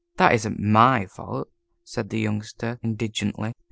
"That isn't my fault," said the Youngster, indignantly.